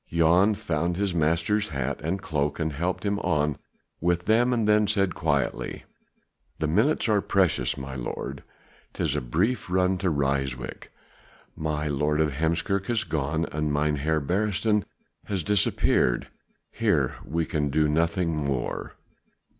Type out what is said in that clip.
Jan found his master's hat and cloak and helped him on with them, and then he said quietly: "The minutes are precious, my lord, 'tis a brief run to Ryswyk: my Lord of Heemskerk has gone and Mynheer Beresteyn has disappeared. Here we can do nothing more."